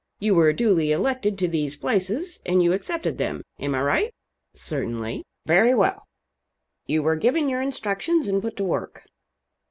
You were duly elected to these places, and you accepted them. Am I right?" "Certainly." "Very well. You were given your instructions and put to work.